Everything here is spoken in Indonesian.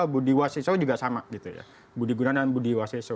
budi waseso juga sama budi gunawan dan budi waseso